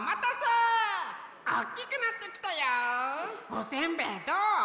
おせんべいどう？